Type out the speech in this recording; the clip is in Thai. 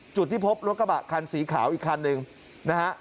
จุดที่พบรถกระบะคันสีขาวอีกคันหนึ่งนะฮะ